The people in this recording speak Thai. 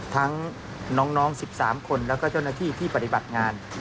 ทั้งน้อง๑๓คนแล้วก็เจ้าหน้าที่ที่ปฏิบัติงาน